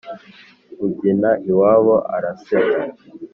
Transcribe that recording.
Ubyina iwabo arasebwa.